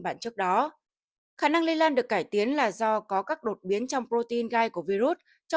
bản trước đó khả năng lây lan được cải tiến là do có các đột biến trong protein gai của virus trong